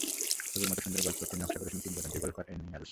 ছবির মতো সুন্দর গলফ কোর্সটির নকশা করেছেন কিংবদন্তি গলফার আর্নি এলস।